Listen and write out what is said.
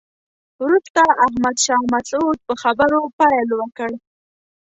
وروسته احمد شاه مسعود په خبرو پیل وکړ.